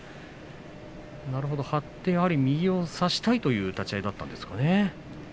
なるほど、張って右を差したいという立ち合いだったんですかね。